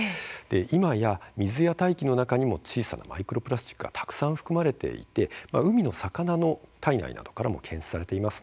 今や水や大気の中にも小さなマイクロプラスチックがたくさん含まれていて海の魚の体内からも検出されています。